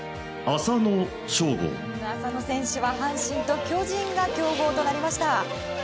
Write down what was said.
浅野選手は阪神と巨人が競合となりました。